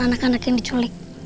anak anak yang diculik